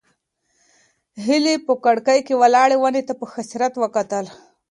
هیلې په کړکۍ کې ولاړې ونې ته په حسرت وکتل.